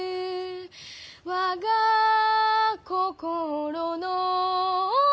「我が心の」